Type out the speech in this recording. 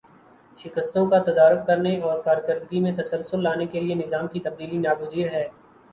شکستوں کا تدارک کرنے اور کارکردگی میں تسلسل لانے کے لیے نظام کی تبدیلی ناگزیر ہے